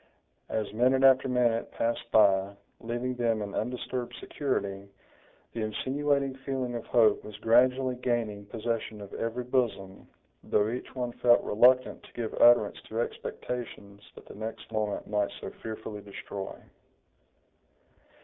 As minute after minute passed by, leaving them in undisturbed security, the insinuating feeling of hope was gradually gaining possession of every bosom, though each one felt reluctant to give utterance to expectations that the next moment might so fearfully destroy.